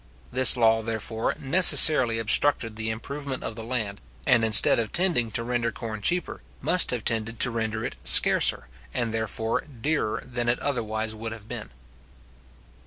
This law, therefore, necessarily obstructed the improvement of the land, and, instead of tending to render corn cheaper, must have tended to render it scarcer, and therefore dearer, than it would otherwise have been.